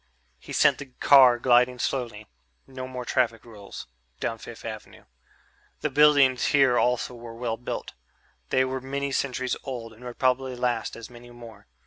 He sent the car gliding slowly ... no more traffic rules ... down Fifth Avenue. The buildings here also were well built; they were many centuries old and would probably last as many more.